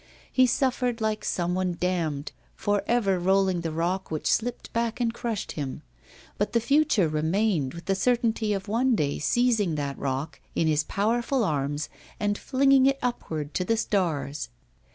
He suffered like some one damned, for ever rolling the rock which slipped back and crushed him; but the future remained, with the certainty of one day seizing that rock in his powerful arms and flinging it upward to the stars.